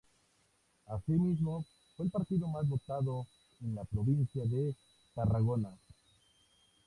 Asimismo, fue el partido más votado en la provincia de Tarragona.